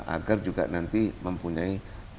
agar juga nanti mempunyai